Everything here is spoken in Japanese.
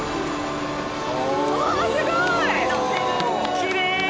きれいに。